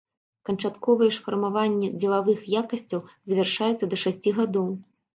Канчатковае ж фармаванне дзелавых якасцяў завяршаецца да шасці гадоў.